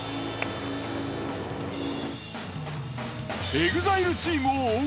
ＥＸＩＬＥチームを追う